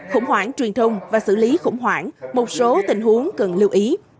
khủng hoảng truyền thông và xử lý khủng hoảng một số tình huống cần lưu ý